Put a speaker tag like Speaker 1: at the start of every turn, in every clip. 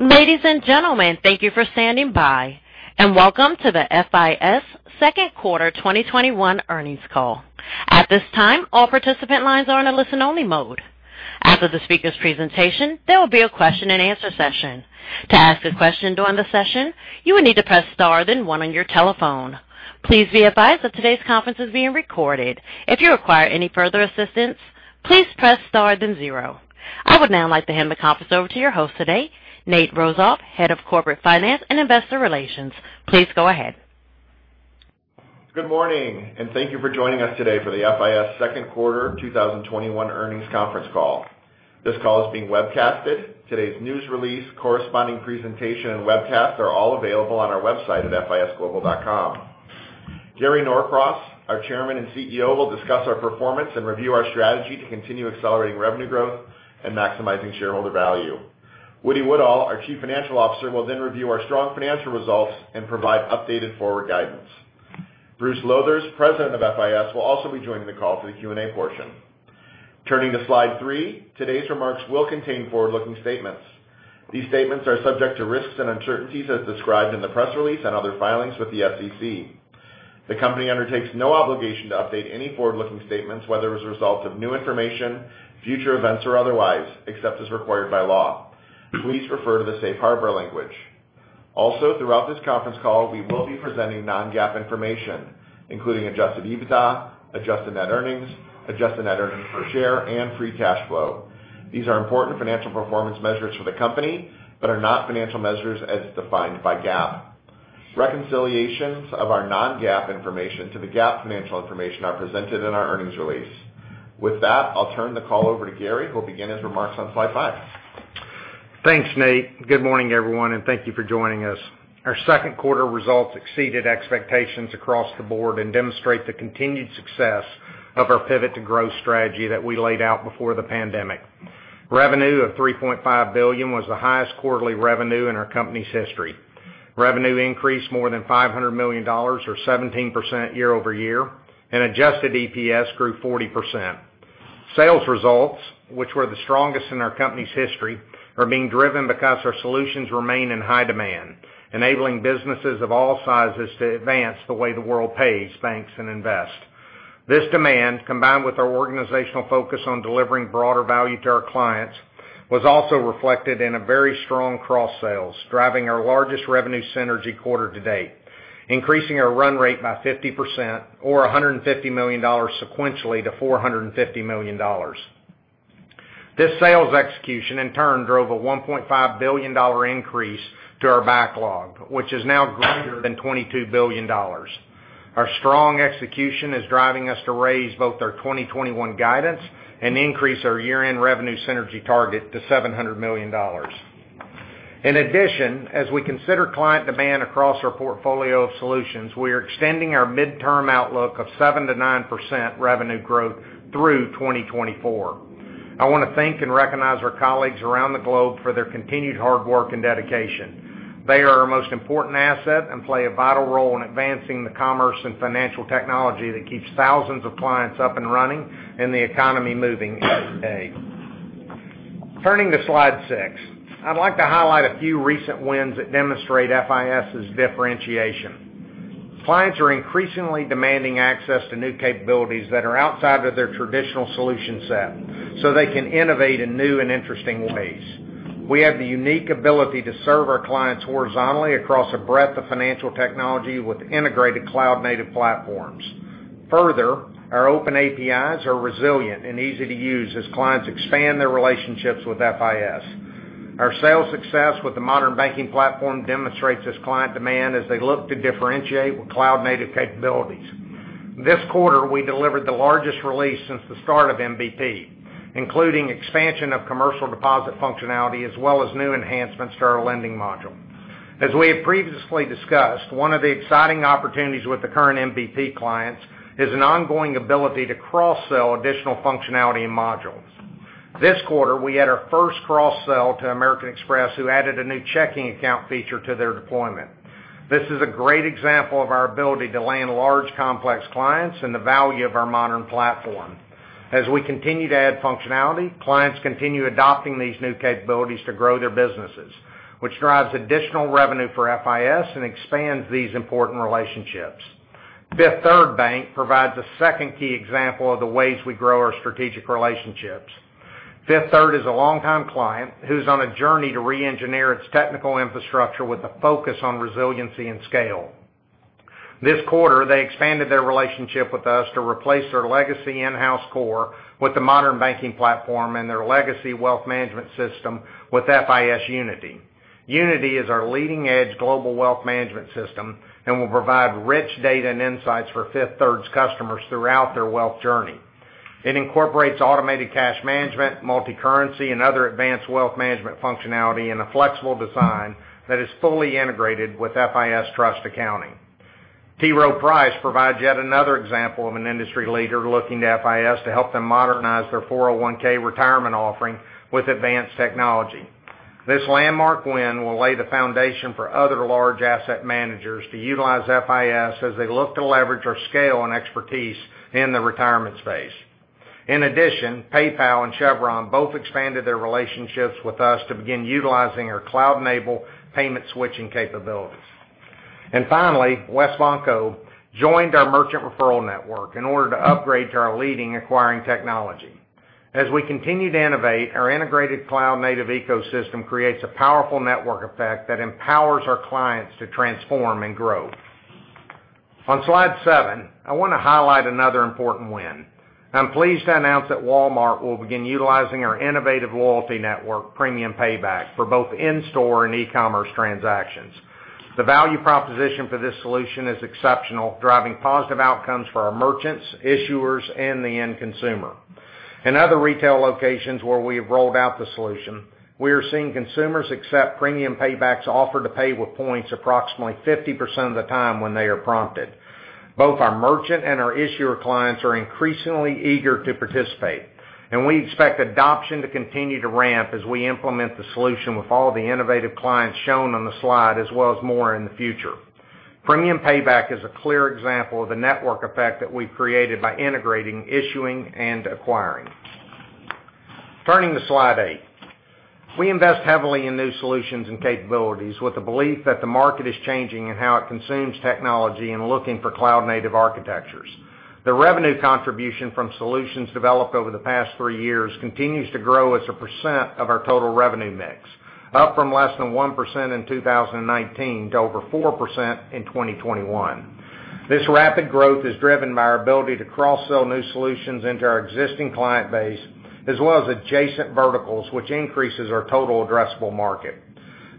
Speaker 1: Ladies and gentlemen, thank you for standing by, and welcome to the FIS second quarter 2021 earnings call. At this time all participants lines are on listening only mode. After the speaker presentation there will be a Q&A session. To ask a question to enter the session you would need to press star then one on your telephone. Please be advised that today's conference is being recorded. If you would require further assistance, please press star then zero. I would now like to hand the conference over to your host today, Nate Rozof, head of Corporate Finance and Investor Relations. Please go ahead.
Speaker 2: Good morning. Thank you for joining us today for the FIS second quarter 2021 earnings conference call. This call is being webcasted. Today's news release, corresponding presentation, and webcast are all available on our website at fisglobal.com. Gary Norcross, our Chairman and CEO, will discuss our performance and review our strategy to continue accelerating revenue growth and maximizing shareholder value. James Woodall, our Chief Financial Officer, will review our strong financial results and provide updated forward guidance. Bruce Lowthers, President of FIS, will also be joining the call for the Q&A portion. Turning to slide three. Today's remarks will contain forward-looking statements. These statements are subject to risks and uncertainties as described in the press release and other filings with the SEC. The company undertakes no obligation to update any forward-looking statements, whether as a result of new information, future events or otherwise, except as required by law. Please refer to the safe harbor language. Also, throughout this conference call, we will be presenting non-GAAP information, including adjusted EBITDA, adjusted net earnings, adjusted net earnings per share, and free cash flow. These are important financial performance measures for the company but are not financial measures as defined by GAAP. Reconciliations of our non-GAAP information to the GAAP financial information are presented in our earnings release. With that, I'll turn the call over to Gary, who'll begin his remarks on slide five.
Speaker 3: Thanks, Nate. Good morning, everyone, and thank you for joining us. Our second quarter results exceeded expectations across the board and demonstrate the continued success of our pivot to growth strategy that we laid out before the pandemic. Revenue of $3.5 billion was the highest quarterly revenue in our company's history. Revenue increased more than $500 million or 17% year-over-year, and adjusted EPS grew 40%. Sales results, which were the strongest in our company's history, are being driven because our solutions remain in high demand, enabling businesses of all sizes to advance the way the world pays banks and invest. This demand, combined with our organizational focus on delivering broader value to our clients, was also reflected in a very strong cross-sales, driving our largest revenue synergy quarter to date, increasing our run rate by 50% or $150 million sequentially to $450 million. This sales execution in turn drove a $1.5 billion increase to our backlog, which is now greater than $22 billion. Our strong execution is driving us to raise both our 2021 guidance and increase our year-end revenue synergy target to $700 million. As we consider client demand across our portfolio of solutions, we are extending our midterm outlook of 7%-9% revenue growth through 2024. I want to thank and recognize our colleagues around the globe for their continued hard work and dedication. They are our most important asset and play a vital role in advancing the commerce and financial technology that keeps thousands of clients up and running and the economy moving every day. Turning to slide six. I'd like to highlight a few recent wins that demonstrate FIS' differentiation. Clients are increasingly demanding access to new capabilities that are outside of their traditional solution set so they can innovate in new and interesting ways. We have the unique ability to serve our clients horizontally across a breadth of financial technology with integrated cloud-native platforms. Further, our open APIs are resilient and easy to use as clients expand their relationships with FIS. Our sales success with the Modern Banking Platform demonstrates this client demand as they look to differentiate with cloud-native capabilities. This quarter, we delivered the largest release since the start of MBP, including expansion of commercial deposit functionality as well as new enhancements to our lending module. As we have previously discussed, one of the exciting opportunities with the current MBP clients is an ongoing ability to cross-sell additional functionality and modules. This quarter, we had our first cross-sell to American Express, who added a new checking account feature to their deployment. This is a great example of our ability to land large, complex clients and the value of our modern platform. As we continue to add functionality, clients continue adopting these new capabilities to grow their businesses, which drives additional revenue for FIS and expands these important relationships. Fifth Third Bank provides a second key example of the ways we grow our strategic relationships. Fifth Third is a long-time client who's on a journey to re-engineer its technical infrastructure with a focus on resiliency and scale. This quarter, they expanded their relationship with us to replace their legacy in-house core with the Modern Banking Platform and their legacy wealth management system with FIS Unity. Unity is our leading-edge global wealth management system and will provide rich data and insights for Fifth Third's customers throughout their wealth journey. It incorporates automated cash management, multicurrency, and other advanced wealth management functionality in a flexible design that is fully integrated with FIS Trust Accounting. T. Rowe Price provides yet another example of an industry leader looking to FIS to help them modernize their 401k retirement offering with advanced technology. This landmark win will lay the foundation for other large asset managers to utilize FIS as they look to leverage our scale and expertise in the retirement space. In addition, PayPal and Chevron both expanded their relationships with us to begin utilizing our cloud-enabled payment switching capabilities. Finally, WesBanco joined our merchant referral network in order to upgrade to our leading acquiring technology. As we continue to innovate, our integrated cloud-native ecosystem creates a powerful network effect that empowers our clients to transform and grow. On slide seven, I want to highlight another important win. I'm pleased to announce that Walmart will begin utilizing our innovative loyalty network, Premium Payback, for both in-store and e-commerce transactions. The value proposition for this solution is exceptional, driving positive outcomes for our merchants, issuers, and the end consumer. In other retail locations where we have rolled out the solution, we are seeing consumers accept Premium Payback's offer to pay with points approximately 50% of the time when they are prompted. Both our merchant and our issuer clients are increasingly eager to participate, and we expect adoption to continue to ramp as we implement the solution with all the innovative clients shown on the slide, as well as more in the future. Premium Payback is a clear example of the network effect that we've created by integrating, issuing, and acquiring. Turning to slide eight. We invest heavily in new solutions and capabilities with the belief that the market is changing in how it consumes technology and looking for cloud-native architectures. The revenue contribution from solutions developed over the past three years continues to grow as a percent of our total revenue mix, up from less than 1% in 2019 to over 4% in 2021. This rapid growth is driven by our ability to cross-sell new solutions into our existing client base, as well as adjacent verticals, which increases our total addressable market.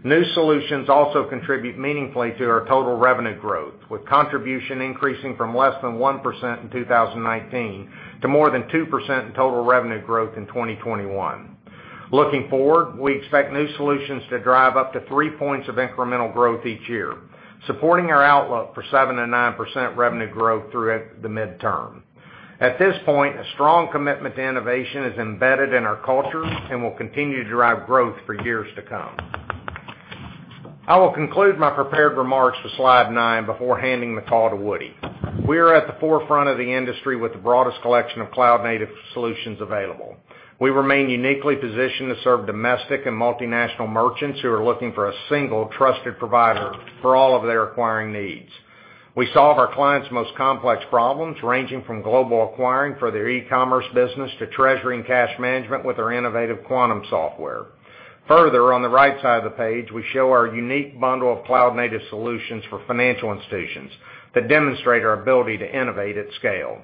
Speaker 3: New solutions also contribute meaningfully to our total revenue growth, with contribution increasing from less than 1% in 2019 to more than 2% in total revenue growth in 2021. Looking forward, we expect new solutions to drive up to three points of incremental growth each year, supporting our outlook for 7%-9% revenue growth throughout the midterm. At this point, a strong commitment to innovation is embedded in our culture and will continue to drive growth for years to come. I will conclude my prepared remarks with slide nine before handing the call to Woody. We are at the forefront of the industry with the broadest collection of cloud-native solutions available. We remain uniquely positioned to serve domestic and multinational merchants who are looking for a single trusted provider for all of their acquiring needs. We solve our clients' most complex problems, ranging from global acquiring for their e-commerce business to treasury and cash management with our innovative Quantum software. Further, on the right side of the page, we show our unique bundle of cloud-native solutions for financial institutions that demonstrate our ability to innovate at scale.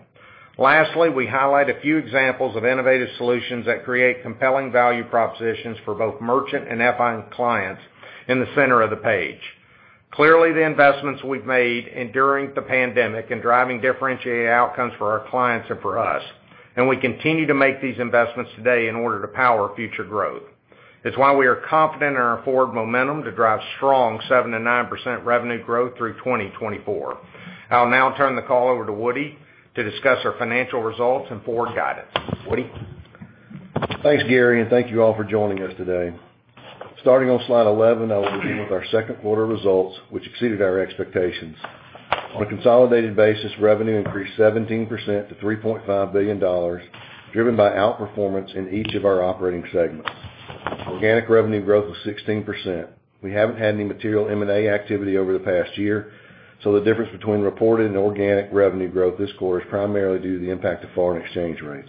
Speaker 3: Lastly, we highlight a few examples of innovative solutions that create compelling value propositions for both merchant and FI clients in the center of the page. Clearly, the investments we've made enduring the pandemic and driving differentiated outcomes for our clients and for us, and we continue to make these investments today in order to power future growth. It's why we are confident in our forward momentum to drive strong 7%-9% revenue growth through 2024. I'll now turn the call over to Woody to discuss our financial results and forward guidance. Woody?
Speaker 4: Thanks, Gary, and thank you all for joining us today. Starting on slide 11, I will begin with our second quarter results, which exceeded our expectations. On a consolidated basis, revenue increased 17% to $3.5 billion, driven by outperformance in each of our operating segments. Organic revenue growth was 16%. We haven't had any material M&A activity over the past year. The difference between reported and organic revenue growth this quarter is primarily due to the impact of foreign exchange rates.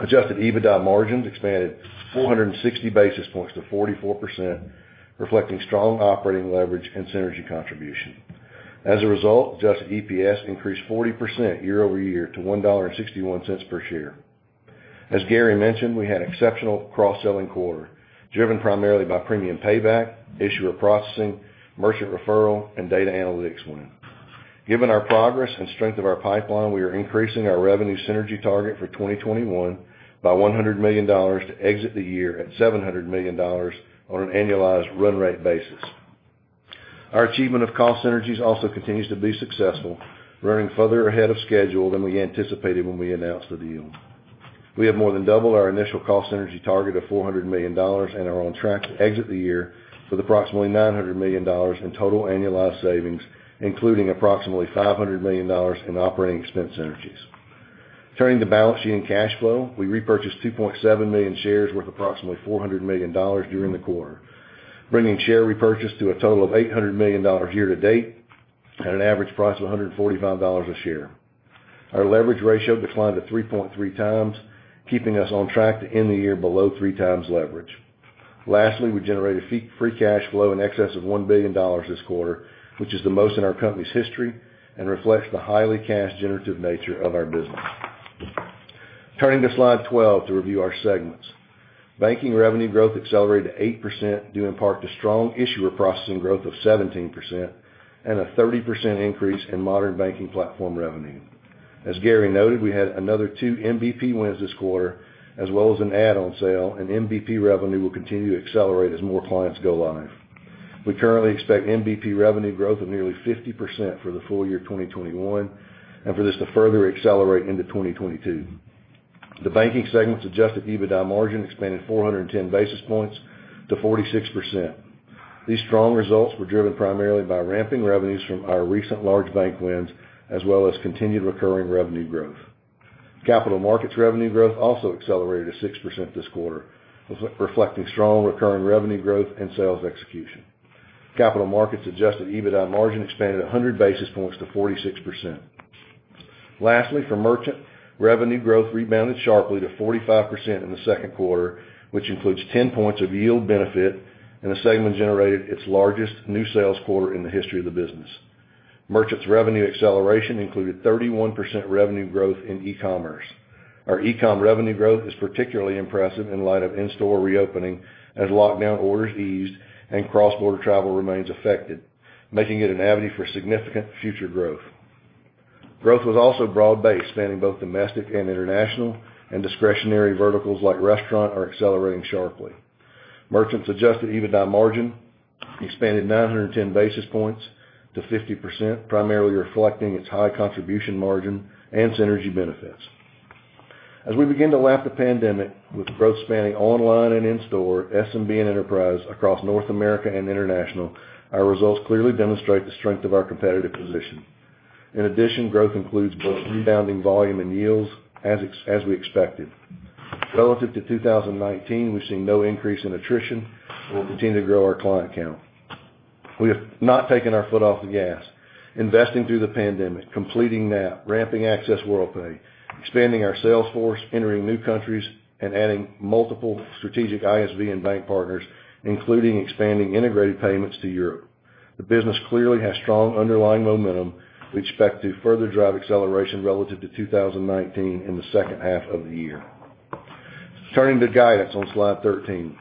Speaker 4: Adjusted EBITDA margins expanded 460 basis points to 44%, reflecting strong operating leverage and synergy contribution. As a result, adjusted EPS increased 40% year-over-year to $1.61 per share. As Gary mentioned, we had exceptional cross-selling quarter, driven primarily by Premium Payback, issuer processing, merchant referral, and data analytics win. Given our progress and strength of our pipeline, we are increasing our revenue synergy target for 2021 by $100 million to exit the year at $700 million on an annualized run rate basis. Our achievement of cost synergies also continues to be successful, running further ahead of schedule than we anticipated when we announced the deal. We have more than doubled our initial cost synergy target of $400 million and are on track to exit the year with approximately $900 million in total annualized savings, including approximately $500 million in operating expense synergies. Turning to balance sheet and cash flow. We repurchased 2.7 million shares worth approximately $400 million during the quarter, bringing share repurchase to a total of $800 million year to date at an average price of $145 a share. Our leverage ratio declined to 3.3x, keeping us on track to end the year below 3x leverage. Lastly, we generated free cash flow in excess of $1 billion this quarter, which is the most in our company's history and reflects the highly cash generative nature of our business. Turning to slide 12 to review our segments. Banking revenue growth accelerated to 8%, due in part to strong issuer processing growth of 17% and a 30% increase in Modern Banking Platform revenue. As Gary noted, we had another 2 MBP wins this quarter as well as an add-on sale, and MBP revenue will continue to accelerate as more clients go live. We currently expect MBP revenue growth of nearly 50% for the full year 2021 and for this to further accelerate into 2022. The banking segment's adjusted EBITDA margin expanded 410 basis points to 46%. These strong results were driven primarily by ramping revenues from our recent large bank wins, as well as continued recurring revenue growth. Capital markets revenue growth also accelerated to 6% this quarter, reflecting strong recurring revenue growth and sales execution. Capital markets adjusted EBITDA margin expanded 100 basis points to 46%. Lastly, for merchant, revenue growth rebounded sharply to 45% in the second quarter, which includes 10 points of yield benefit, and the segment generated its largest new sales quarter in the history of the business. Merchants revenue acceleration included 31% revenue growth in e-commerce. Our e-com revenue growth is particularly impressive in light of in-store reopening as lockdown orders eased and cross-border travel remains affected, making it an avenue for significant future growth. Growth was also broad-based, spanning both domestic and international, and discretionary verticals like restaurant are accelerating sharply. Merchants adjusted EBITDA margin expanded 910 basis points to 50%, primarily reflecting its high contribution margin and synergy benefits. As we begin to lap the pandemic with growth spanning online and in-store, SMB and enterprise across North America and international, our results clearly demonstrate the strength of our competitive position. In addition, growth includes both rebounding volume and yields as we expected. Relative to 2019, we've seen no increase in attrition, and we'll continue to grow our client count. We have not taken our foot off the gas, investing through the pandemic, completing NAP, ramping Access Worldpay, expanding our sales force, entering new countries, and adding multiple strategic ISV and bank partners, including expanding integrated payments to Europe. The business clearly has strong underlying momentum, which we expect to further drive acceleration relative to 2019 in the H2 of the year. Turning to guidance on slide 13.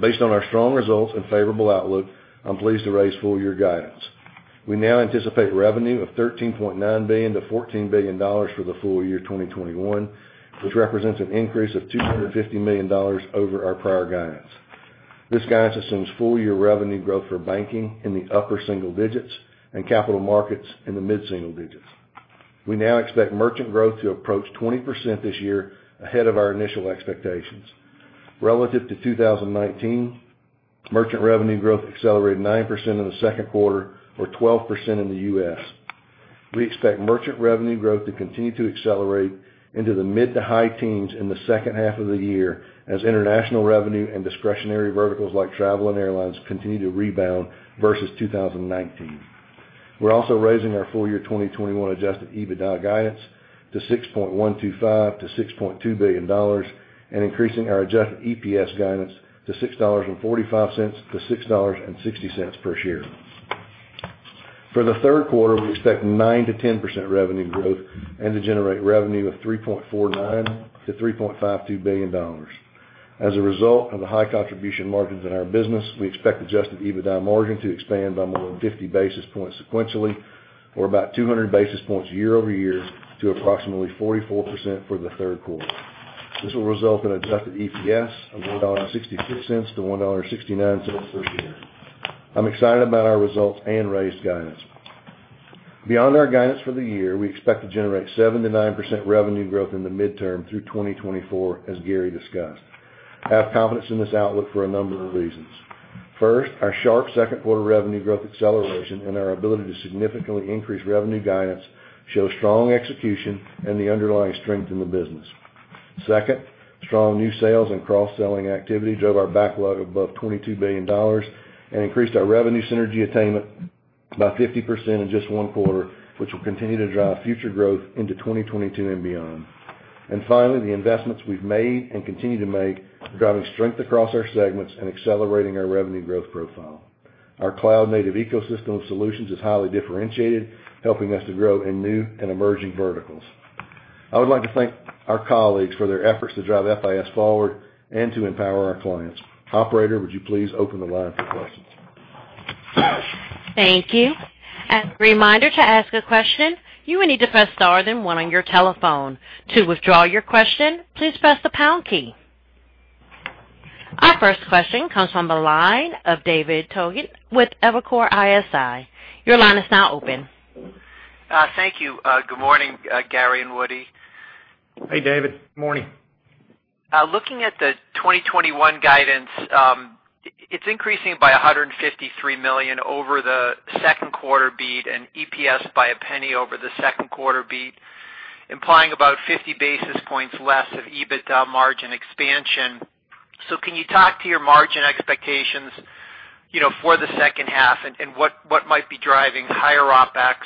Speaker 4: Based on our strong results and favorable outlook, I'm pleased to raise full-year guidance. We now anticipate revenue of $13.9 billion-$14 billion for the full year 2021, which represents an increase of $250 million over our prior guidance. This guidance assumes full-year revenue growth for banking in the upper single digits and capital markets in the mid-single digits. We now expect merchant growth to approach 20% this year ahead of our initial expectations. Relative to 2019, merchant revenue growth accelerated 9% in the second quarter or 12% in the U.S. We expect merchant revenue growth to continue to accelerate into the mid-to-high teens in the H2 of the year as international revenue and discretionary verticals like travel and airlines continue to rebound versus 2019. We're also raising our full-year 2021 adjusted EBITDA guidance to $6.125 billion-$6.2 billion and increasing our adjusted EPS guidance to $6.45-$6.60 per share. For the third quarter, we expect 9%-10% revenue growth and to generate revenue of $3.49 billion-$3.52 billion. As a result of the high contribution margins in our business, we expect adjusted EBITDA margin to expand by more than 50 basis points sequentially or about 200 basis points year-over-year to approximately 44% for the third quarter. This will result in adjusted EPS of $1.66-$1.69 per share. I'm excited about our results and raised guidance. Beyond our guidance for the year, we expect to generate 7%-9% revenue growth in the midterm through 2024, as Gary discussed. I have confidence in this outlook for a number of reasons. First, our sharp second quarter revenue growth acceleration and our ability to significantly increase revenue guidance show strong execution and the underlying strength in the business. Second, strong new sales and cross-selling activity drove our backlog above $22 billion and increased our revenue synergy attainment by 50% in just one quarter, which will continue to drive future growth into 2022 and beyond. Finally, the investments we've made and continue to make are driving strength across our segments and accelerating our revenue growth profile. Our cloud-native ecosystem of solutions is highly differentiated, helping us to grow in new and emerging verticals. I would like to thank our colleagues for their efforts to drive FIS forward and to empower our clients. Operator, would you please open the line for questions?
Speaker 1: Thank you. As a reminder to ask a question you may need to press start then one on your telephone. To withdraw your question, please press the pound key. Our first question comes from the line of David Togut with Evercore ISI. Your line is now open.
Speaker 5: Thank you. Good morning, Gary and Woody.
Speaker 4: Hey, David. Morning.
Speaker 5: Looking at the 2021 guidance, it's increasing by $153 million over the second quarter beat and EPS by a penny over the second quarter beat, implying about 50 basis points less of EBITDA margin expansion. Can you talk to your margin expectations for the second half and what might be driving higher OpEx?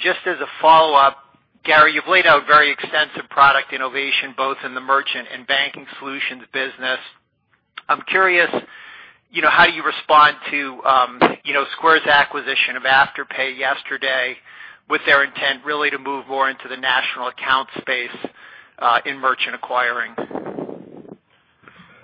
Speaker 5: Just as a follow-up, Gary, you've laid out very extensive product innovation both in the merchant and banking solutions business. I'm curious, how you respond to Square's acquisition of Afterpay yesterday with their intent really to move more into the national account space in merchant acquiring.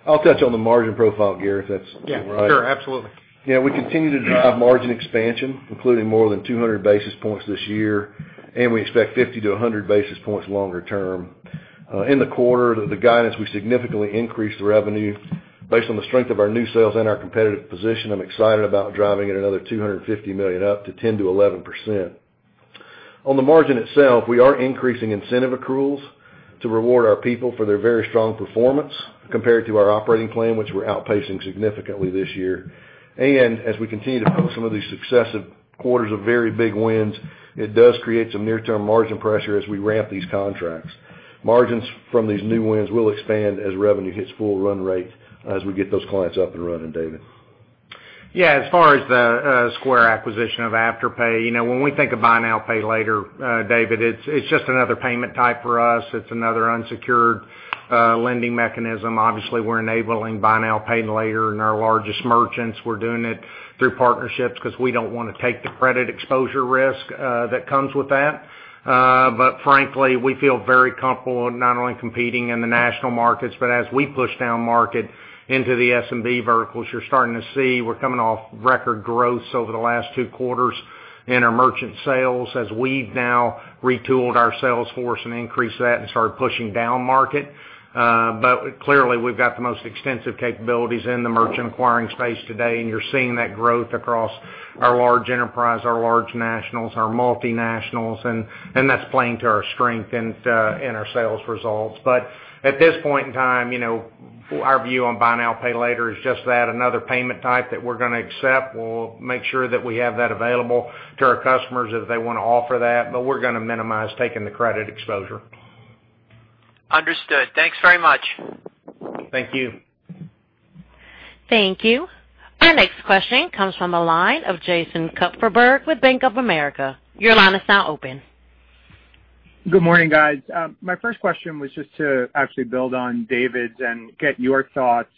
Speaker 4: I'll touch on the margin profile, Gary, if that's all right.
Speaker 3: Yeah, sure. Absolutely.
Speaker 4: Yeah, we continue to drive margin expansion, including more than 200 basis points this year, and we expect 50-100 basis points longer term. In the quarter, we significantly increased the revenue based on the strength of our new sales and our competitive position. I'm excited about driving it another $250 million up to 10%-11%. On the margin itself, we are increasing incentive accruals to reward our people for their very strong performance compared to our operating plan, which we're outpacing significantly this year. As we continue to post some of these successive quarters of very big wins, it does create some near-term margin pressure as we ramp these contracts. Margins from these new wins will expand as revenue hits full run rate as we get those clients up and running, David.
Speaker 3: Yeah. As far as the Square acquisition of Afterpay, when we think of buy now, pay later, David, it's just another payment type for us. It's another unsecured lending mechanism. Obviously, we're enabling buy now, pay later in our largest merchants. We're doing it through partnerships because we don't want to take the credit exposure risk that comes with that. Frankly, we feel very comfortable not only competing in the national markets, but as we push down market into the SMB verticals, you're starting to see we're coming off record growths over the last two quarters in our merchant sales as we've now retooled our sales force and increased that and started pushing down market. Clearly, we've got the most extensive capabilities in the merchant acquiring space today, and you're seeing that growth across our large enterprise, our large nationals, our multinationals, and that's playing to our strength in our sales results. At this point in time, our view on buy now, pay later is just that, another payment type that we're going to accept. We'll make sure that we have that available to our customers if they want to offer that, but we're going to minimize taking the credit exposure.
Speaker 5: Understood. Thanks very much.
Speaker 3: Thank you.
Speaker 1: Thank you. Our next question comes from the line of Jason Kupferberg with Bank of America. Your line is now open.
Speaker 6: Good morning, guys. My first question was just to actually build on David's and get your thoughts,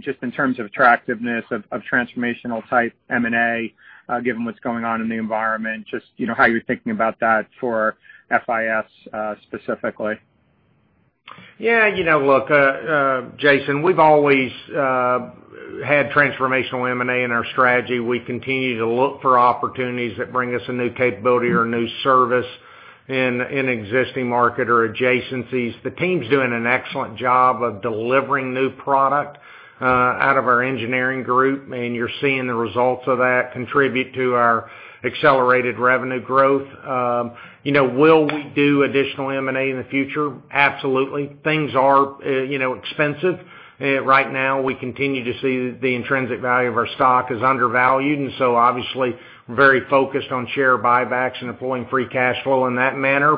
Speaker 6: just in terms of attractiveness of transformational type M&A, given what's going on in the environment, just how you're thinking about that for FIS specifically.
Speaker 3: Yeah. Look, Jason, we've always had transformational M&A in our strategy. We continue to look for opportunities that bring us a new capability or a new service in existing market or adjacencies. The team's doing an excellent job of delivering new product out of our engineering group, and you're seeing the results of that contribute to our accelerated revenue growth. Will we do additional M&A in the future? Absolutely. Things are expensive. Right now, we continue to see the intrinsic value of our stock is undervalued. Obviously, we're very focused on share buybacks and deploying free cash flow in that manner.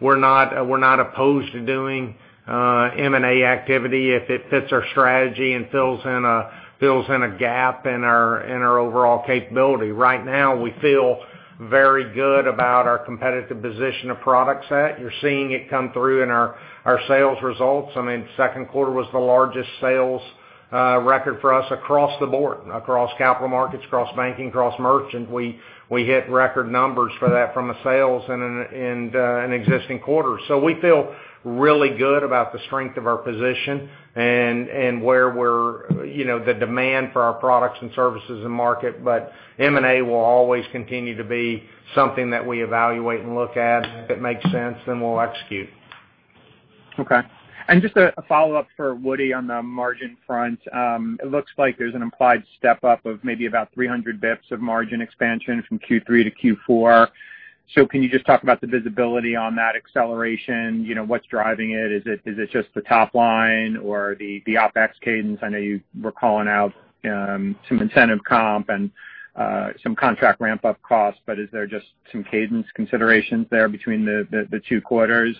Speaker 3: We're not opposed to doing M&A activity if it fits our strategy and fills in a gap in our overall capability. Right now, we feel very good about our competitive position of product set. You're seeing it come through in our sales results. Second quarter was the largest sales record for us across the board, across capital markets, across banking, across merchant. We hit record numbers for that from a sales and an existing quarter. We feel really good about the strength of our position and the demand for our products and services in market. M&A will always continue to be something that we evaluate and look at. If it makes sense, then we'll execute.
Speaker 6: Okay. Just a follow-up for Woody on the margin front. It looks like there's an implied step-up of maybe about 300 basis points of margin expansion from Q3-Q4. Can you just talk about the visibility on that acceleration? What's driving it? Is it just the top line or the OpEx cadence? I know you were calling out some incentive comp and some contract ramp-up costs, but is there just some cadence considerations there between the two quarters?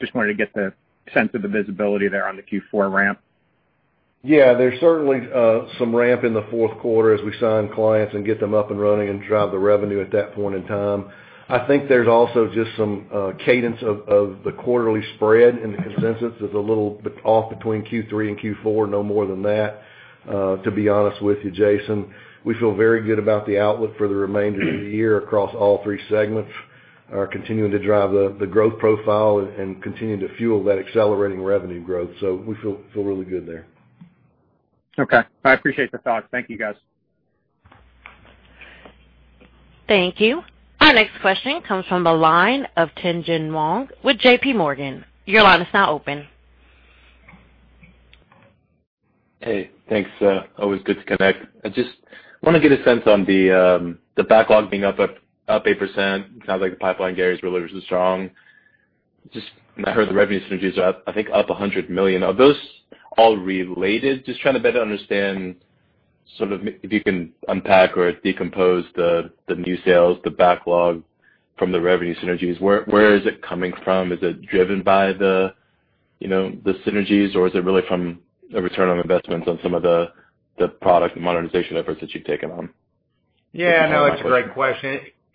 Speaker 6: Just wanted to get the sense of the visibility there on the Q4 ramp.
Speaker 4: Yeah. There's certainly some ramp in the fourth quarter as we sign clients and get them up and running and drive the revenue at that point in time. I think there's also just some cadence of the quarterly spread in the consensus is a little off between Q3 and Q4, no more than that, to be honest with you, Jason. We feel very good about the outlook for the remainder of the year across all three segments, are continuing to drive the growth profile and continuing to fuel that accelerating revenue growth. We feel really good there.
Speaker 6: Okay. I appreciate the thoughts. Thank you, guys.
Speaker 1: Thank you. Our next question comes from the line of Tien-Tsin Huang with J.P. Morgan. Your line is now open.
Speaker 7: Hey, thanks. Always good to connect. I just want to get a sense on the backlog being up 8%, sounds like the pipeline, Gary, is really strong. Just I heard the revenue synergies are up, I think, $100 million. Are those all related? Just trying to better understand sort of if you can unpack or decompose the new sales, the backlog from the revenue synergies. Where is it coming from? Is it driven by the synergies, or is it really from a return on investments on some of the product monetization efforts that you've taken on?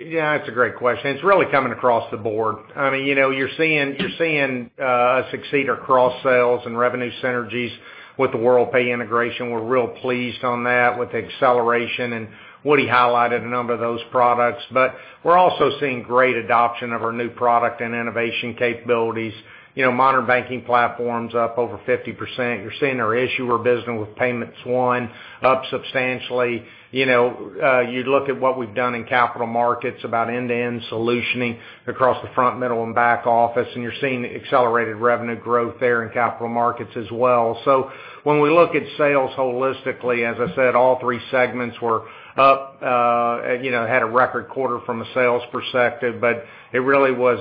Speaker 3: That's a great question. It's really coming across the board. You're seeing succeed across sales and revenue synergies with the Worldpay integration. We're real pleased on that with the acceleration, and Woody highlighted a number of those products. We're also seeing great adoption of our new product and innovation capabilities. Modern Banking Platform up over 50%. You're seeing our issuer business with Payments One up substantially. You look at what we've done in capital markets about end-to-end solutioning across the front, middle, and back office, and you're seeing accelerated revenue growth there in capital markets as well. When we look at sales holistically, as I said, all three segments were up. Had a record quarter from a sales perspective, but it really was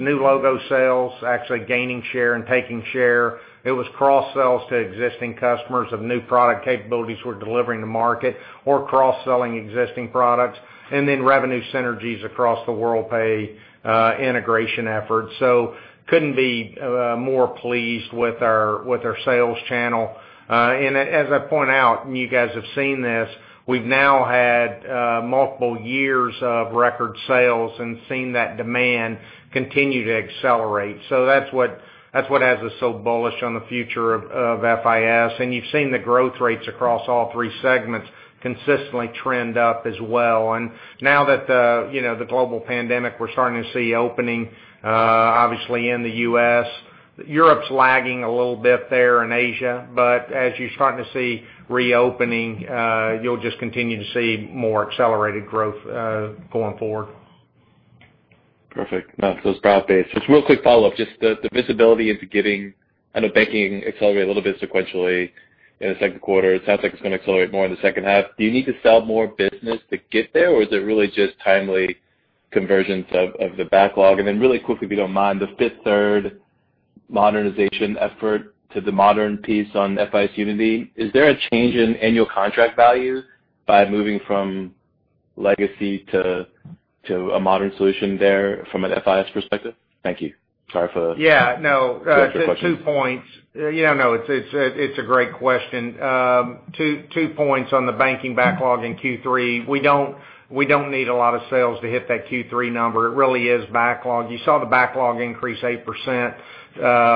Speaker 3: new logo sales actually gaining share and taking share. It was cross-sells to existing customers of new product capabilities we're delivering to market or cross-selling existing products, and then revenue synergies across the Worldpay integration efforts. Couldn't be more pleased with our sales channel. As I point out, and you guys have seen this, we've now had multiple years of record sales and seen that demand continue to accelerate. That's what has us so bullish on the future of FIS. You've seen the growth rates across all three segments consistently trend up as well. Now that the global pandemic, we're starting to see opening, obviously in the U.S. Europe's lagging a little bit there and Asia. As you're starting to see reopening, you'll just continue to see more accelerated growth going forward.
Speaker 7: Perfect. No, it was broad-based. Just real quick follow-up. Just the visibility into getting out of banking accelerate a little bit sequentially in the second quarter. It sounds like it's going to accelerate more in the second half. Do you need to sell more business to get there, or is it really just timely conversions of the backlog? Then really quickly, if you don't mind, the Fifth Third modernization effort to the modern piece on FIS Unity. Is there a change in annual contract values by moving from legacy to a modern solution there from an FIS perspective? Thank you. Sorry for-
Speaker 3: Yeah, no.
Speaker 7: Two extra questions.
Speaker 3: Two points. Yeah, no, it's a great question. Two points on the banking backlog in Q3. We don't need a lot of sales to hit that Q3 number. It really is backlog. You saw the backlog increase 8%,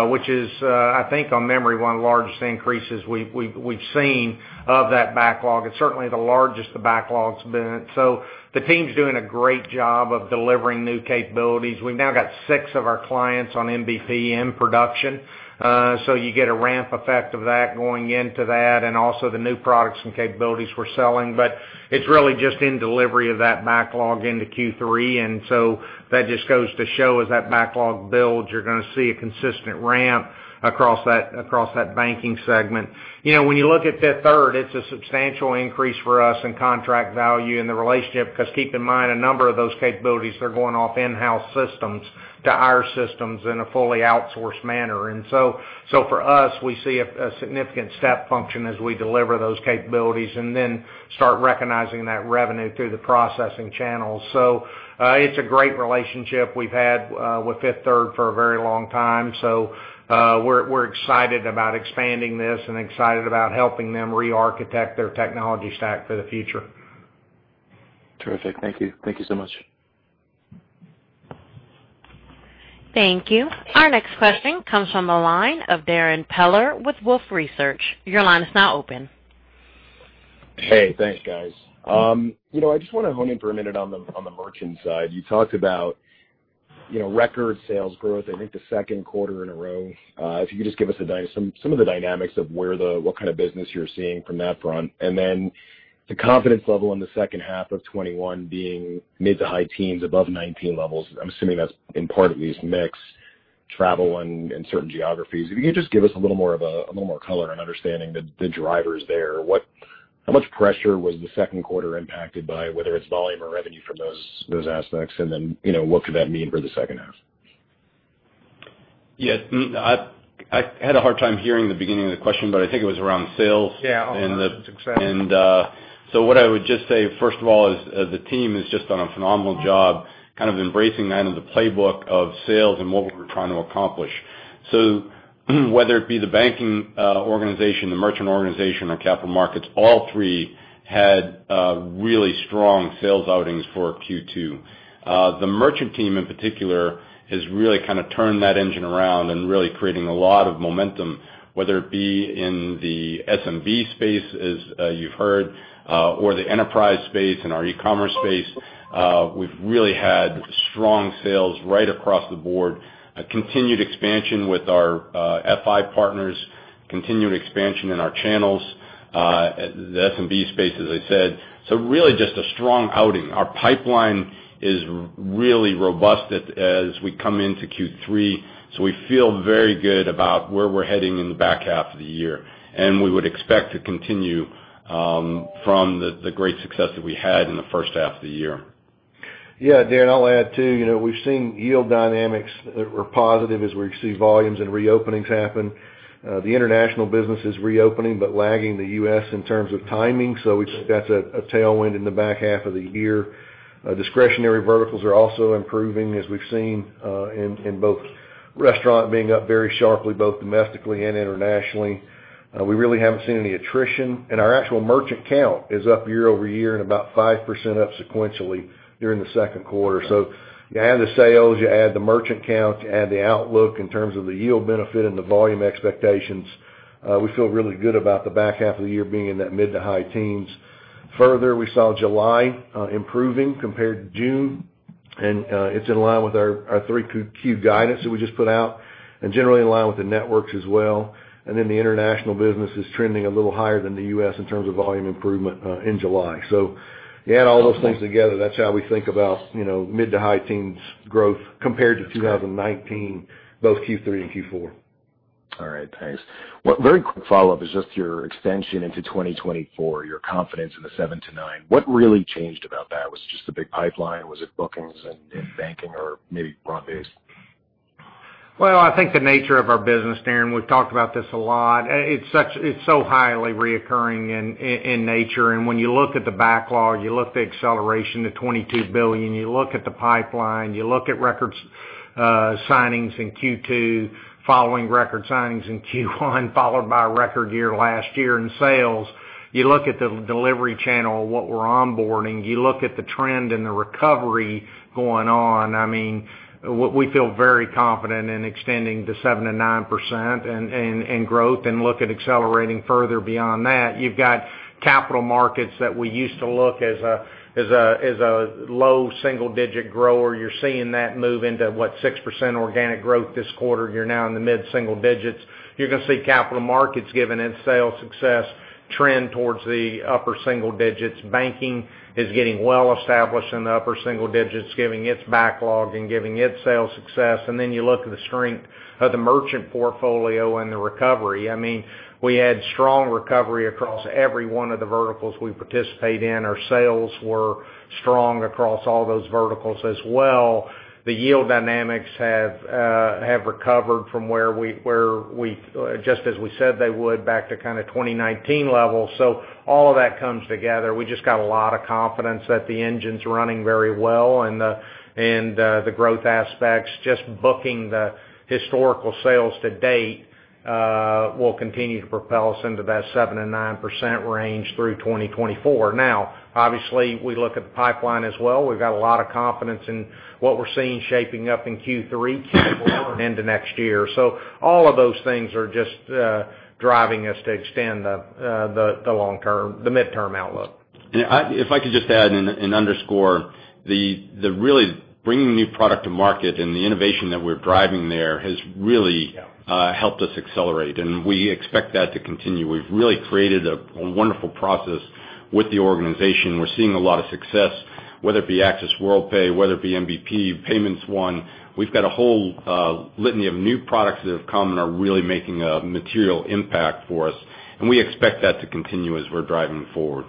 Speaker 3: which is, I think on memory, one of the largest increases we've seen of that backlog. It's certainly the largest the backlog's been. The team's doing a great job of delivering new capabilities. We've now got six of our clients on MBP in production. You get a ramp effect of that going into that and also the new products and capabilities we're selling. It's really just in delivery of that backlog into Q3. That just goes to show as that backlog builds, you're going to see a consistent ramp across that banking segment. When you look at Fifth Third, it's a substantial increase for us in contract value in the relationship because keep in mind, a number of those capabilities are going off in-house systems to our systems in a fully outsourced manner. For us, we see a significant step function as we deliver those capabilities and then start recognizing that revenue through the processing channels. It's a great relationship we've had with Fifth Third for a very long time. We're excited about expanding this and excited about helping them re-architect their technology stack for the future.
Speaker 7: Terrific. Thank you. Thank you so much.
Speaker 1: Thank you. Our next question comes from the line of Darrin Peller with Wolfe Research. Your line is now open.
Speaker 8: Hey, thanks, guys. I just want to hone in for a minute on the merchant side. You talked about record sales growth, I think the second quarter in a row. If you could just give us some of the dynamics of what kind of business you're seeing from that front, and then the confidence level in the H2 of 2021 being mid to high teens above 2019 levels. I'm assuming that's in part at least mix travel and certain geographies. If you could just give us a little more color and understanding the drivers there. How much pressure was the second quarter impacted by, whether it's volume or revenue from those aspects, and then what could that mean for the second half?
Speaker 9: Yeah. I had a hard time hearing the beginning of the question, but I think it was around sales.
Speaker 8: Yeah.
Speaker 9: And the-
Speaker 8: Success.
Speaker 9: What I would just say, first of all, is the team has just done a phenomenal job embracing that in the playbook of sales and what we were trying to accomplish. Whether it be the banking organization, the merchant organization, or capital markets, all three had really strong sales outings for Q2. The merchant team in particular has really turned that engine around and really creating a lot of momentum, whether it be in the SMB space as you've heard, or the enterprise space and our e-commerce space. We've really had strong sales right across the board, a continued expansion with our FI partners, continued expansion in our channels, the SMB space, as I said. Really just a strong outing. Our pipeline is really robust as we come into Q3, so we feel very good about where we're heading in the back half of the year. We would expect to continue from the great success that we had in the H1 of the year.
Speaker 4: Yeah, Darrin, I'll add, too. We've seen yield dynamics that were positive as we see volumes and reopenings happen. The international business is reopening but lagging the U.S. in terms of timing, so we think that's a tailwind in the back half of the year. Discretionary verticals are also improving, as we've seen in both restaurant being up very sharply, both domestically and internationally. We really haven't seen any attrition, and our actual merchant count is up year-over-year and about 5% up sequentially during the second quarter. You add the sales, you add the merchant count, you add the outlook in terms of the yield benefit and the volume expectations. We feel really good about the back half of the year being in that mid to high teens. Further, we saw July improving compared to June, it's in line with our 3Q guidance that we just put out, and generally in line with the networks as well. The international business is trending a little higher than the U.S. in terms of volume improvement in July. You add all those things together, that's how we think about mid to high teens growth compared to 2019, both Q3 and Q4.
Speaker 8: All right. Thanks. Very quick follow-up is just your extension into 2024, your confidence in the 7%-9%. What really changed about that? Was it just the big pipeline? Was it bookings and banking or maybe broad base?
Speaker 3: Well, I think the nature of our business, Darrin, we've talked about this a lot. It's so highly reoccurring in nature. When you look at the backlog, you look at the acceleration to $22 billion, you look at the pipeline, you look at record signings in Q2 following record signings in Q1, followed by a record year last year in sales. You look at the delivery channel, what we're onboarding, you look at the trend and the recovery going on. We feel very confident in extending to 7%-9% in growth and look at accelerating further beyond that. You've got capital markets that we used to look at as a low single-digit grower. You're seeing that move into, what, 6% organic growth this quarter. You're now in the mid-single digits. You're going to see capital markets, given its sales success, trend towards the upper single digits. Banking is getting well established in the upper single digits, giving its backlog and giving its sales success. You look at the strength of the merchant portfolio and the recovery. We had strong recovery across every one of the verticals we participate in. Our sales were strong across all those verticals as well. The yield dynamics have recovered just as we said they would, back to kind of 2019 levels. All of that comes together. We just got a lot of confidence that the engine's running very well and the growth aspects, just booking the historical sales to date, will continue to propel us into that 7%-9% range through 2024. Obviously, we look at the pipeline as well. We've got a lot of confidence in what we're seeing shaping up in Q3 into next year. All of those things are just driving us to extend the midterm outlook.
Speaker 9: If I could just add and underscore, the really bringing new product to market and the innovation that we're driving there has really helped us accelerate, and we expect that to continue. We've really created a wonderful process with the organization. We're seeing a lot of success, whether it be Access Worldpay, whether it be MBP, Payments One. We've got a whole litany of new products that have come and are really making a material impact for us, and we expect that to continue as we're driving forward.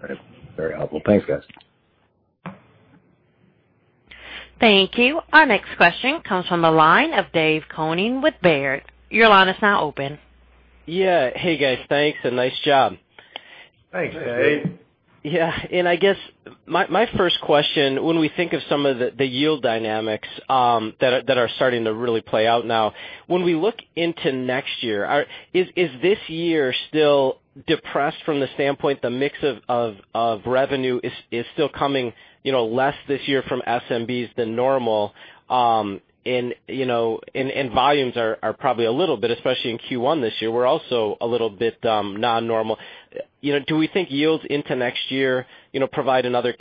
Speaker 8: Great. Very helpful. Thanks, guys.
Speaker 1: Thank you. Our next question comes from the line of David Koning with Baird.
Speaker 10: Yeah. Hey, guys. Thanks, and nice job.
Speaker 4: Thanks, Dave.
Speaker 10: Yeah. I guess my first question, when we think of some of the yield dynamics that are starting to really play out now, when we look into next year, is this year still depressed from the standpoint the mix of revenue is still coming less this year from SMBs than normal? Volumes are probably a little bit, especially in Q1 this year, were also a little bit non-normal. Do we think yields into next year provide another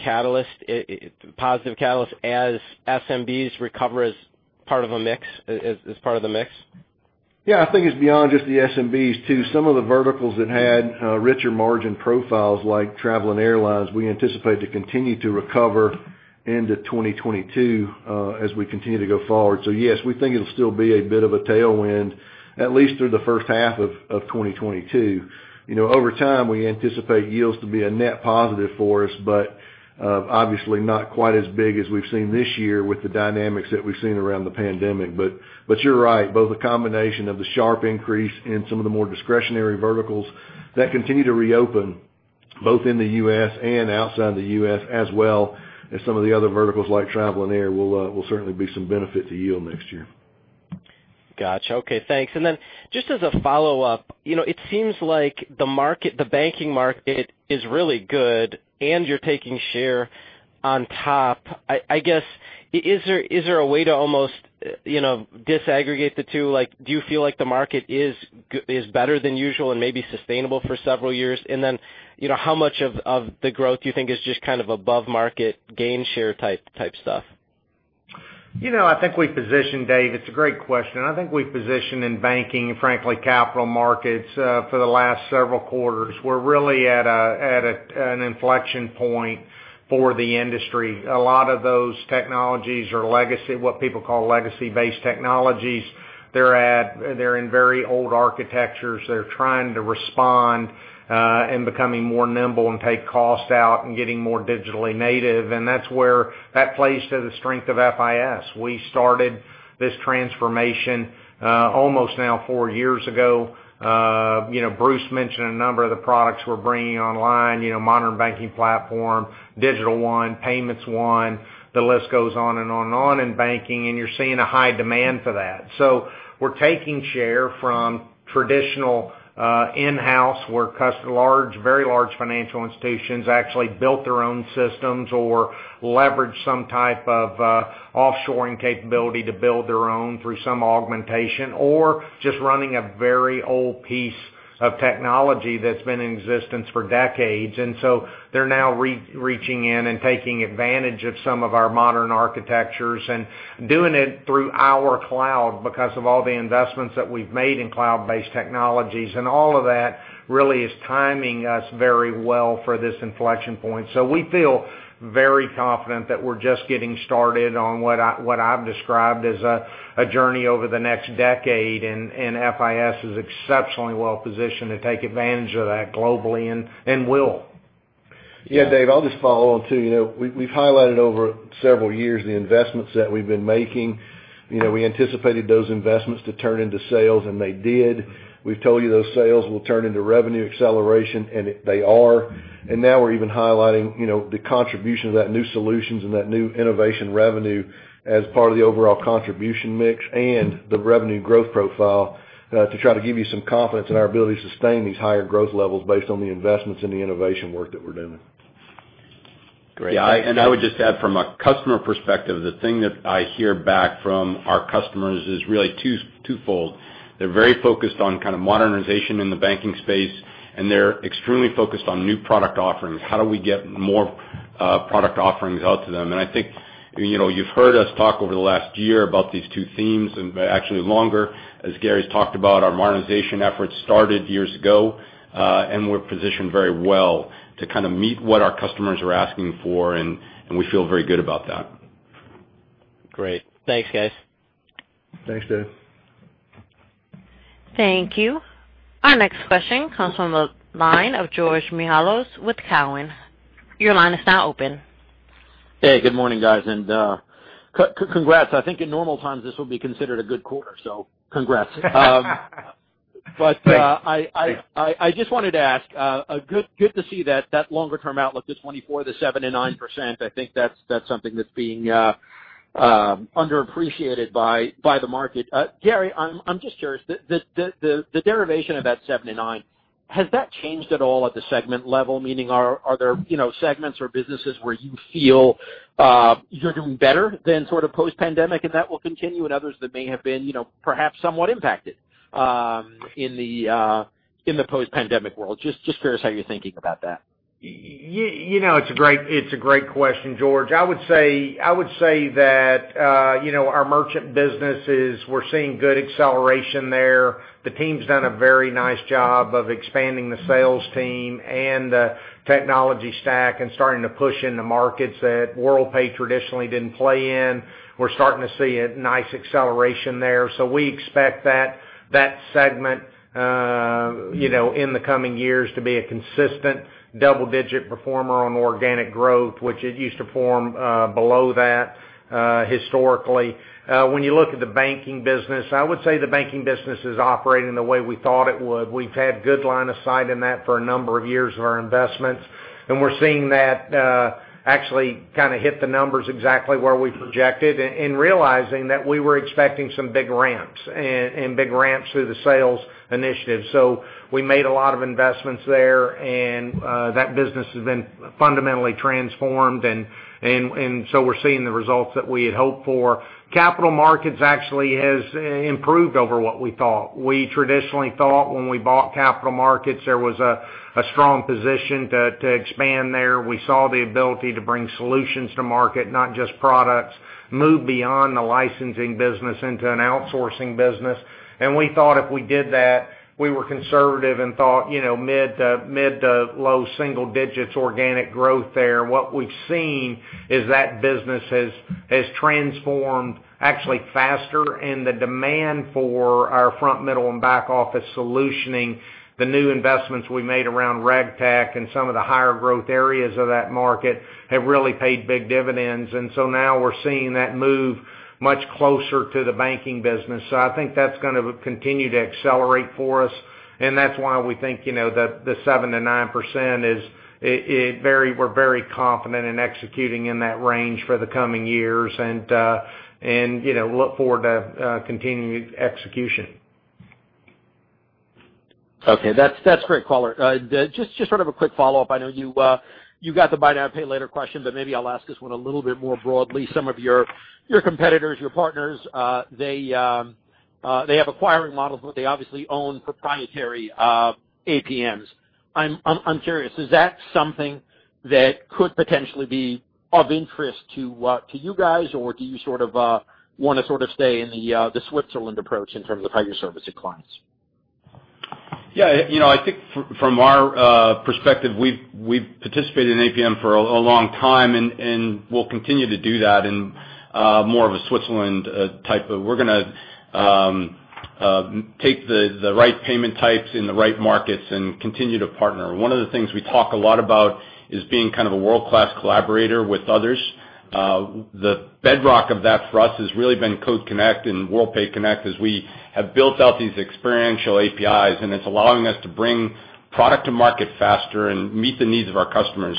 Speaker 10: positive catalyst as SMBs recover as part of the mix?
Speaker 4: Yeah, I think it's beyond just the SMBs too. Some of the verticals that had richer margin profiles, like travel and airlines, we anticipate to continue to recover into 2022 as we continue to go forward. Yes, we think it'll still be a bit of a tailwind, at least through the H1 of 2022. Over time, we anticipate yields to be a net positive for us, but obviously not quite as big as we've seen this year with the dynamics that we've seen around the pandemic. You're right, both a combination of the sharp increase in some of the more discretionary verticals that continue to reopen, both in the U.S. and outside the U.S., as well as some of the other verticals like travel and air will certainly be some benefit to yield next year.
Speaker 10: Got you. Okay, thanks. Just as a follow-up, it seems like the banking market is really good and you're taking share on top. I guess, is there a way to almost disaggregate the two? Do you feel like the market is better than usual and maybe sustainable for several years? How much of the growth do you think is just kind of above market gain share type stuff?
Speaker 3: I think we've positioned, Dave, it's a great question. I think we've positioned in banking and frankly, capital markets, for the last several quarters. We're really at an inflection point for the industry. A lot of those technologies are legacy, what people call legacy-based technologies. They're in very old architectures. They're trying to respond and becoming more nimble and take cost out and getting more digitally native. That's where that plays to the strength of FIS. We started this transformation almost now four years ago. Bruce mentioned a number of the products we're bringing online, Modern Banking Platform, Digital One, Payments One. The list goes on and on and on in banking, and you're seeing a high demand for that. We're taking share from traditional in-house where very large financial institutions actually built their own systems or leveraged some type of offshoring capability to build their own through some augmentation or just running a very old piece of technology that's been in existence for decades. They're now reaching in and taking advantage of some of our modern architectures and doing it through our cloud because of all the investments that we've made in cloud-based technologies. All of that really is timing us very well for this inflection point. We feel very confident that we're just getting started on what I've described as a journey over the next decade, and FIS is exceptionally well positioned to take advantage of that globally and will.
Speaker 4: Yeah, Dave, I'll just follow on too. We've highlighted over several years the investments that we've been making. We anticipated those investments to turn into sales, and they did. We've told you those sales will turn into revenue acceleration, and they are. Now we're even highlighting the contribution of that new solutions and that new innovation revenue as part of the overall contribution mix and the revenue growth profile to try to give you some confidence in our ability to sustain these higher growth levels based on the investments in the innovation work that we're doing.
Speaker 10: Great.
Speaker 9: Yeah, I would just add from a customer perspective, the thing that I hear back from our customers is really twofold. They're very focused on kind of modernization in the banking space, and they're extremely focused on new product offerings. How do we get more product offerings out to them? I think you've heard us talk over the last year about these two themes and actually longer, as Gary's talked about, our modernization efforts started years ago, and we're positioned very well to meet what our customers are asking for, and we feel very good about that.
Speaker 10: Great. Thanks, guys.
Speaker 3: Thanks, Dave.
Speaker 1: Thank you. Our next question comes from the line of George Mihalos with Cowen. Your line is now open.
Speaker 11: Hey, good morning, guys, and congrats. I think in normal times this would be considered a good quarter. Congrats.
Speaker 9: Thanks.
Speaker 11: I just wanted to ask, good to see that longer-term outlook, the 24%-7%-9%. I think that's something that's being underappreciated by the market. Gary, I'm just curious, the derivation of that 7%-9%, has that changed at all at the segment level? Meaning, are there segments or businesses where you feel you're doing better than sort of post-pandemic and that will continue and others that may have been perhaps somewhat impacted in the post-pandemic world? Just curious how you're thinking about that.
Speaker 3: It's a great question, George. I would say that our merchant businesses, we're seeing good acceleration there. The team's done a very nice job of expanding the sales team and the technology stack and starting to push into markets that Worldpay traditionally didn't play in. We're starting to see a nice acceleration there. We expect that segment in the coming years to be a consistent double-digit performer on organic growth, which it used to form below that historically. When you look at the banking business, I would say the banking business is operating the way we thought it would. We've had good line of sight in that for a number of years of our investments, and we're seeing that actually kind of hit the numbers exactly where we projected and realizing that we were expecting some big ramps and big ramps through the sales initiative. We made a lot of investments there, and that business has been fundamentally transformed, and so we're seeing the results that we had hoped for. Capital Markets actually has improved over what we thought. We traditionally thought when we bought Capital Markets, there was a strong position to expand there. We saw the ability to bring solutions to market, not just products, move beyond the licensing business into an outsourcing business. We thought if we did that, we were conservative and thought mid to low single digits organic growth there. What we've seen is that business has transformed actually faster and the demand for our front, middle, and back-office solutioning, the new investments we made around RegTech and some of the higher growth areas of that market have really paid big dividends. Now we're seeing that move much closer to the banking business. I think that's going to continue to accelerate for us, and that's why we think the 7%-9%, we're very confident in executing in that range for the coming years and look forward to continuing execution.
Speaker 11: Okay. That's great color. Just sort of a quick follow-up. I know you got the buy now, pay later question, but maybe I'll ask this one a little bit more broadly. Some of your competitors, your partners, they have acquiring models, but they obviously own proprietary APMs. I'm curious, is that something that could potentially be of interest to you guys, or do you want to sort of stay in the Switzerland approach in terms of how you're servicing clients?
Speaker 9: Yeah. I think from our perspective, we've participated in APM for a long time, and we'll continue to do that in more of a Switzerland type. We're going to take the right payment types in the right markets and continue to partner. One of the things we talk a lot about is being kind of a world-class collaborator with others. The bedrock of that for us has really been Code Connect and Worldpay Connect as we have built out these experiential APIs, and it's allowing us to bring product to market faster and meet the needs of our customers.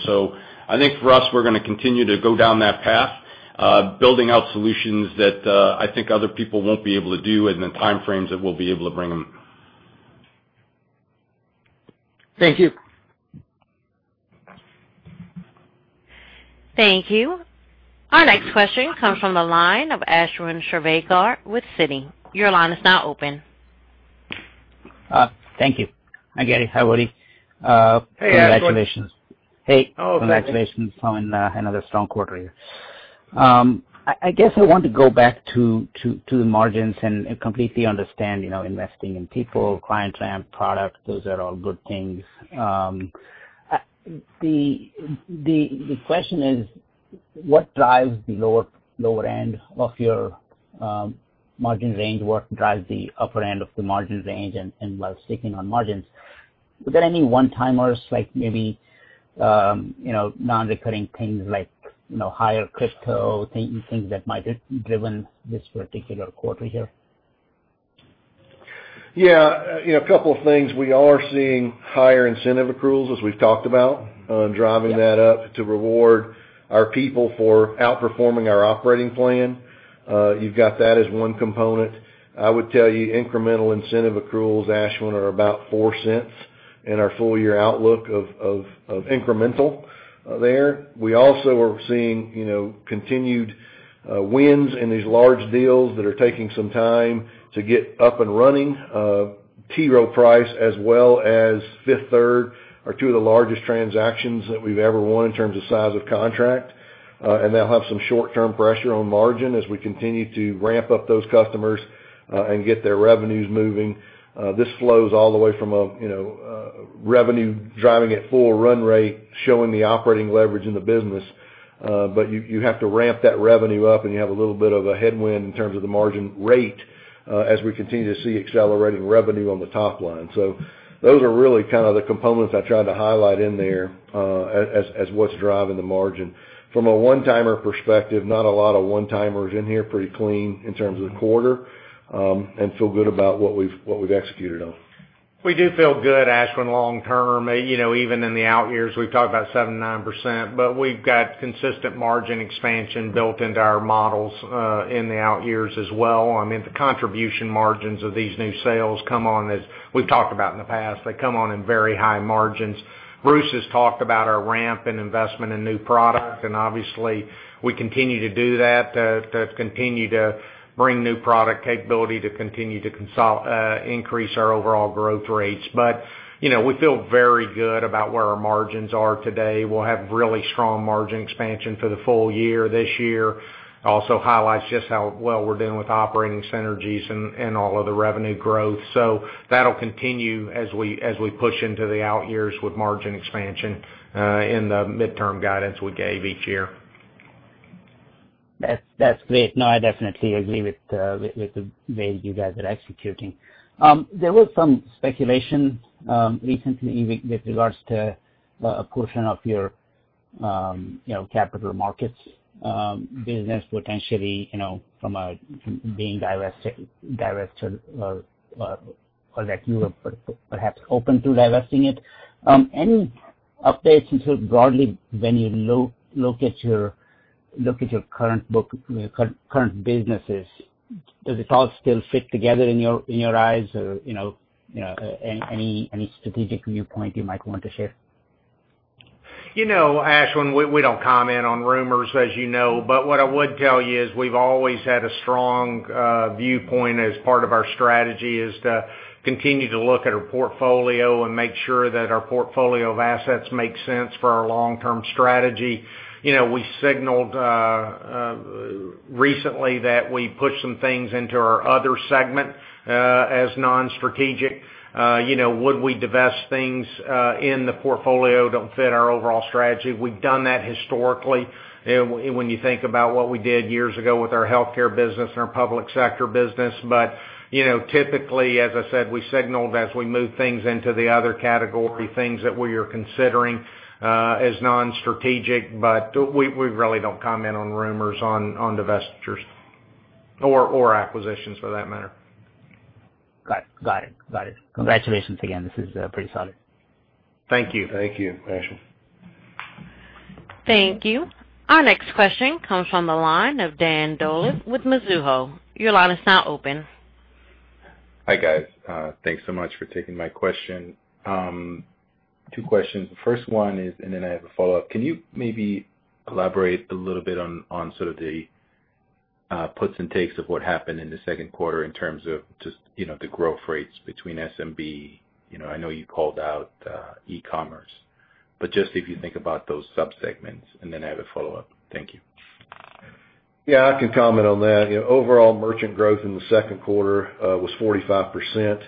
Speaker 9: I think for us, we're going to continue to go down that path, building out solutions that I think other people won't be able to do in the time frames that we'll be able to bring them.
Speaker 11: Thank you.
Speaker 1: Thank you. Our next question comes from the line of Ashwin Shirvaikar with Citi. Your line is now open.
Speaker 12: Thank you. Hi, Gary. Hi, Woody.
Speaker 3: Hey, Ashwin.
Speaker 12: Congratulations. Hey.
Speaker 3: Oh, thank you.
Speaker 12: Congratulations on another strong quarter here. I guess I want to go back to the margins and completely understand investing in people, client ramp, product. Those are all good things. The question is what drives the lower end of your. Margin range, what drives the upper end of the margin range? While sticking on margins, were there any one-timers, like maybe non-recurring things like higher crypto things that might have driven this particular quarter here?
Speaker 4: A couple of things. We are seeing higher incentive accruals, as we've talked about, driving that up to reward our people for outperforming our operating plan. You've got that as one component. I would tell you incremental incentive accruals, Ashwin, are about $0.04 in our full-year outlook of incremental there. We also are seeing continued wins in these large deals that are taking some time to get up and running. T. Rowe Price as well as Fifth Third are two of the largest transactions that we've ever won in terms of size of contract. That'll have some short-term pressure on margin as we continue to ramp up those customers and get their revenues moving. This flows all the way from a revenue driving at full run rate, showing the operating leverage in the business. You have to ramp that revenue up, and you have a little bit of a headwind in terms of the margin rate as we continue to see accelerating revenue on the top line. Those are really the components I tried to highlight in there as what's driving the margin. From a one-timer perspective, not a lot of one-timers in here, pretty clean in terms of the quarter, and feel good about what we've executed on.
Speaker 3: We do feel good, Ashwin, long term. Even in the out years, we've talked about 79%, but we've got consistent margin expansion built into our models in the out years as well. The contribution margins of these new sales, we've talked about in the past, they come on in very high margins. Bruce has talked about our ramp and investment in new product, and obviously, we continue to do that to continue to bring new product capability to continue to increase our overall growth rates. We feel very good about where our margins are today. We'll have really strong margin expansion for the full year this year. Also highlights just how well we're doing with operating synergies and all of the revenue growth. That'll continue as we push into the out years with margin expansion in the midterm guidance we gave each year.
Speaker 12: That's great. No, I definitely agree with the way you guys are executing. There was some speculation recently with regards to a portion of your capital markets business potentially being divested or that you were perhaps open to divesting it. Any updates since broadly when you look at your current businesses, does it all still fit together in your eyes? Any strategic viewpoint you might want to share?
Speaker 3: Ashwin, we don't comment on rumors, as you know. What I would tell you is we've always had a strong viewpoint as part of our strategy is to continue to look at our portfolio and make sure that our portfolio of assets make sense for our long-term strategy. We signaled recently that we pushed some things into our other segment as non-strategic. Would we divest things in the portfolio don't fit our overall strategy? We've done that historically when you think about what we did years ago with our healthcare business and our public sector business. Typically, as I said, we signaled as we move things into the other category, things that we are considering as non-strategic, but we really don't comment on rumors on divestitures or acquisitions for that matter.
Speaker 12: Got it. Congratulations again. This is pretty solid.
Speaker 3: Thank you.
Speaker 4: Thank you, Ashwin.
Speaker 1: Thank you. Our next question comes from the line of Dan Dolev with Mizuho. Your line is now open.
Speaker 13: Hi, guys. Thanks so much for taking my question. Two questions. The first one is, and then I have a follow-up. Can you maybe elaborate a little bit on sort of the puts and takes of what happened in the second quarter in terms of just the growth rates between SMB? I know you called out e-commerce, but just if you think about those sub-segments, and then I have a follow-up. Thank you.
Speaker 4: Yeah, I can comment on that. Overall merchant growth in the second quarter was 45%.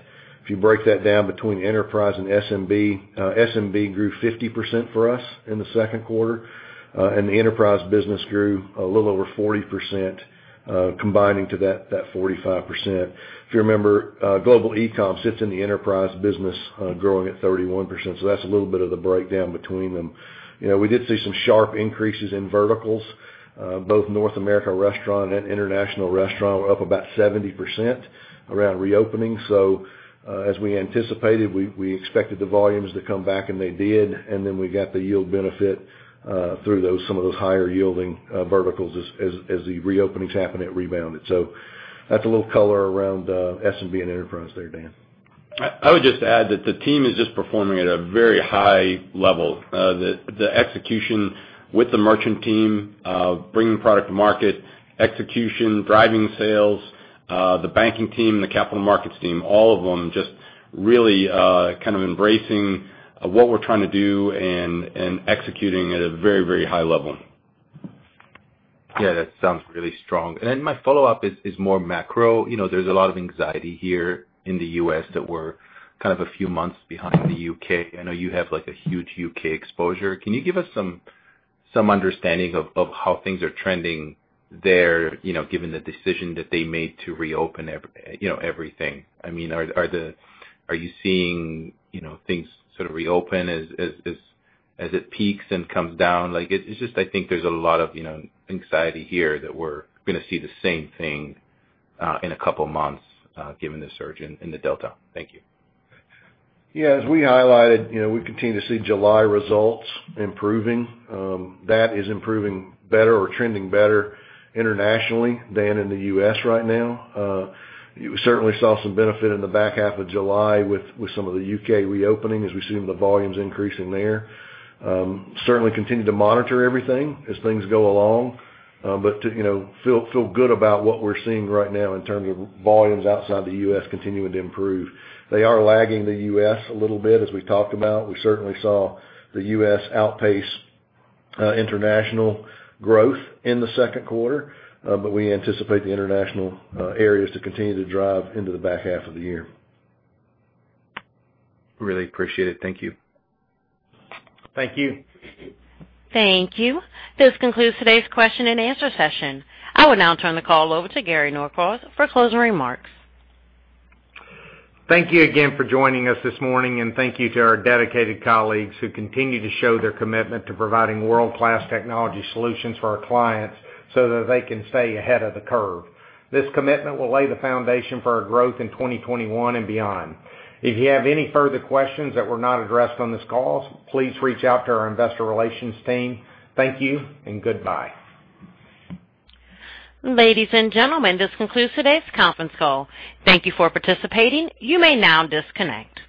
Speaker 4: If you break that down between enterprise and SMB grew 50% for us in the second quarter, and the enterprise business grew a little over 40%, combining to that 45%. If you remember, global e-com sits in the enterprise business growing at 31%, that's a little bit of the breakdown between them. We did see some sharp increases in verticals. Both North America restaurant and international restaurant were up about 70% around reopening. As we anticipated, we expected the volumes to come back, and they did, and then we got the yield benefit through some of those higher yielding verticals as the reopenings happened, it rebounded. That's a little color around SMB and enterprise there, Dan.
Speaker 3: I would just add that the team is just performing at a very high level. The execution with the merchant team, bringing product to market, execution, driving sales, the banking team, the capital markets team, all of them just really kind of embracing what we're trying to do and executing at a very high level.
Speaker 13: Yeah, that sounds really strong. My follow-up is more macro. There's a lot of anxiety here in the U.S. that we're kind of a few months behind the U.K. I know you have a huge U.K. exposure. Can you give us some understanding of how things are trending there, given the decision that they made to reopen everything. Are you seeing things sort of reopen as it peaks and comes down? It's just, I think there's a lot of anxiety here that we're going to see the same thing in a couple of months, given the surge in the Delta. Thank you.
Speaker 4: As we highlighted, we continue to see July results improving. That is improving better or trending better internationally than in the U.S. right now. You certainly saw some benefit in the back half of July with some of the U.K. reopening as we've seen the volumes increasing there. Certainly continue to monitor everything as things go along. Feel good about what we're seeing right now in terms of volumes outside the U.S. continuing to improve. They are lagging the U.S. a little bit, as we talked about. We certainly saw the U.S. outpace international growth in the second quarter. We anticipate the international areas to continue to drive into the back half of the year.
Speaker 13: Really appreciate it. Thank you.
Speaker 4: Thank you.
Speaker 1: Thank you. This concludes today's question and answer session. I will now turn the call over to Gary Norcross for closing remarks.
Speaker 3: Thank you again for joining us this morning, and thank you to our dedicated colleagues who continue to show their commitment to providing world-class technology solutions for our clients so that they can stay ahead of the curve. This commitment will lay the foundation for our growth in 2021 and beyond. If you have any further questions that were not addressed on this call, please reach out to our investor relations team. Thank you and goodbye.
Speaker 1: Ladies and gentlemen, this concludes today's conference call. Thank you for participating. You may now disconnect.